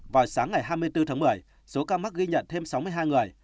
vào sáng ngày hai mươi bốn tháng một mươi số ca mắc ghi nhận thêm sáu mươi hai người